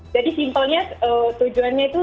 jadi simpelnya tujuannya itu